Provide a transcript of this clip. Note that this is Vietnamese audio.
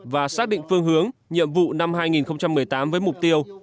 và xác định phương hướng nhiệm vụ năm hai nghìn một mươi tám với mục tiêu